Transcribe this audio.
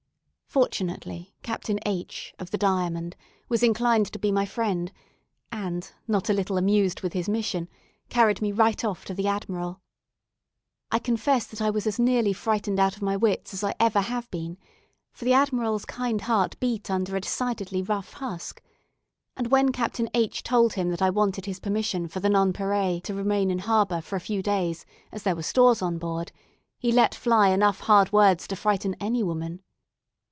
Fortunately, Captain H , of the "Diamond," was inclined to be my friend, and, not a little amused with his mission, carried me right off to the Admiral. I confess that I was as nearly frightened out of my wits as I ever have been, for the Admiral's kind heart beat under a decidedly rough husk; and when Captain H told him that I wanted his permission for the "Nonpareil" to remain in the harbour for a few days, as there were stores on board, he let fly enough hard words to frighten any woman.